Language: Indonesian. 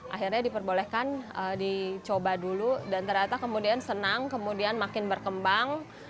akhirnya diperbolehkan dicoba dulu dan ternyata kemudian senang kemudian makin berkembang